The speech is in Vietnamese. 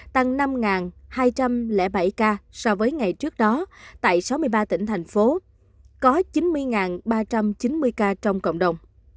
tăng năm hai trăm linh bảy ca so với ngày trước đó tại sáu mươi ba tỉnh thành phố có chín mươi ba trăm chín mươi ca trong cộng đồng